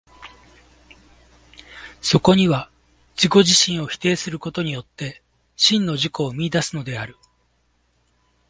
そこには自己自身を否定することによって、真の自己を見出すのである。